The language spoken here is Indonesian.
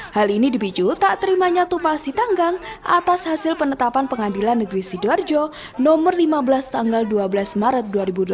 hal ini dipicu tak terimanya tumpah sitanggang atas hasil penetapan pengadilan negeri sidoarjo nomor lima belas tanggal dua belas maret dua ribu delapan belas